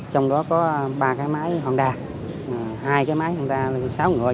trong đó có ba cái máy honda hai cái máy honda là sáu người và một cái máy toyota là sáu người